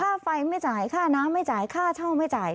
ค่าไฟไม่จ่ายค่าน้ำไม่จ่ายค่าเช่าไม่จ่าย